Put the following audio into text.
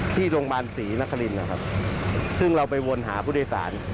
ที่โรงพยาบาลศรีนครินนะครับซึ่งเราไปวนหาผู้โดยสาร